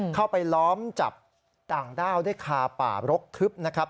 เข้าไปล้อมจับต่างด้าวได้คาป่ารกทึบนะครับ